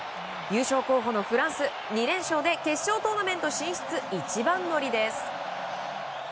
優勝候補のフランス、２連勝で決勝トーナメント進出一番乗りです。